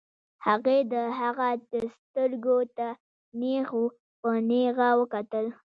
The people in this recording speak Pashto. هغې د هغه سترګو ته نېغ په نېغه وکتل.